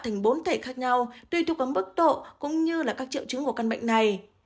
thành bốn thể khác nhau tùy thuộc ấm bức độ cũng như là các triệu chứng của căn bệnh này